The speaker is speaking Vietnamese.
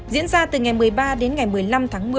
diễn ra từ ngày một mươi ba đến ngày một mươi năm tháng một mươi